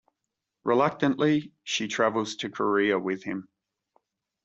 Reluctantly, she travels to Korea with him.